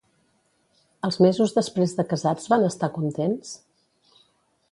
Els mesos després de casats van estar contents?